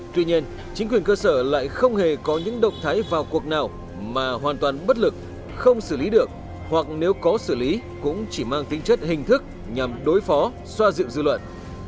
tuy nhiên chính quyền cơ sở lại không hề có những động thái vào cuộc nào mà hoàn toàn bất lực không xử lý được hoặc nếu có xử lý cũng chỉ mang tính chất hình thức nhằm đối phó xoa dịu dư luận